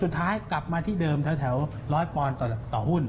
สุดท้ายกลับมาที่เดิมแถว๑๐๐ปอนด์ต่อหุ้น